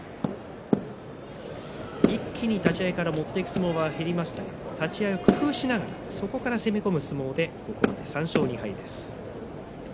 一気に立ち合いから持っていく相撲が減りましたが立ち合い工夫をしながらそこから攻め込む相撲で３勝２敗です。